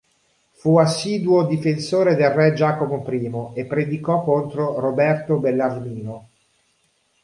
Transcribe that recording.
Fu assiduo difensore del re Giacomo I e predicò contro Roberto Bellarmino.